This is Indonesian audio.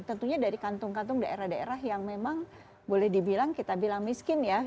tentunya dari kantung kantung daerah daerah yang memang boleh dibilang kita bilang miskin ya